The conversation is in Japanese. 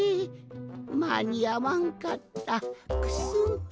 まにあわんかったクスン。